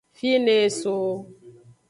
Fine eso.